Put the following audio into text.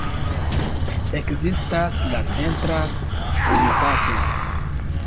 Ekzistas la Centra Komitato.